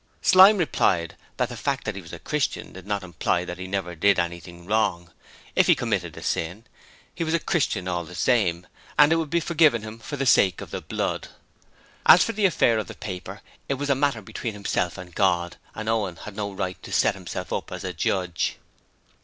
Slyme replied that the fact that he was a Christian did not imply that he never did anything wrong: if he committed a sin, he was a Christian all the same, and it would be forgiven him for the sake of the Blood. As for this affair of the paper, it was a matter between himself and God, and Owen had no right to set himself up as a Judge.